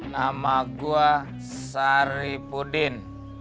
nama gua saripudin